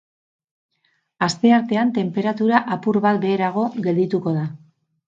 Asteartean tenperatura apur bat beherago geldituko da.